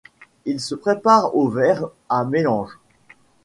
Il se prépare au verre à mélange.